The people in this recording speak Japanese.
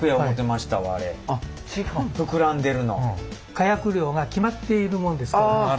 火薬量が決まっているもんですから。